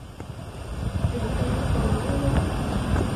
Tình anh còn mãi mãi.